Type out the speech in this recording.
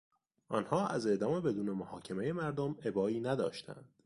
آنها از اعدام بدون محاکمهی مردم ابایی نداشتند.